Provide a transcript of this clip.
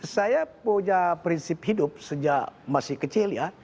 saya punya prinsip hidup sejak masih kecil ya